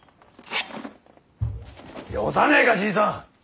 よさねえかじいさん。